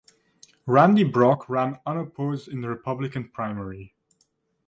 Randy Brock ran unopposed in the Republican primary.